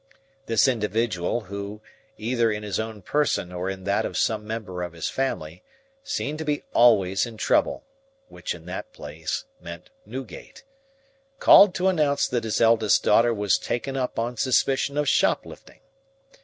This individual, who, either in his own person or in that of some member of his family, seemed to be always in trouble (which in that place meant Newgate), called to announce that his eldest daughter was taken up on suspicion of shoplifting.